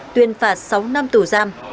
tuyên phạt sáu năm tù giam